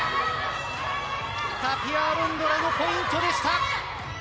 タピア・アロンドラのポイントでした。